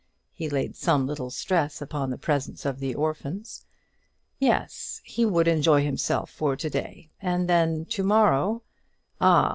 He laid some little stress upon the presence of the orphans. Yes, he would enjoy himself for to day; and then to morrow ah!